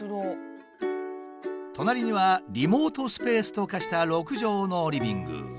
隣にはリモートスペースと化した６畳のリビング。